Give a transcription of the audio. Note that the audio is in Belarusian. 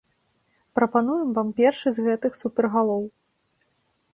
Прапануем вам першы з гэтых супергалоў.